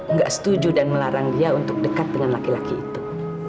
nggak setuju dan melarang dia untuk dekat dengan laki laki itu